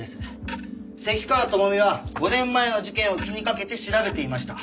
関川朋美は５年前の事件を気にかけて調べていました。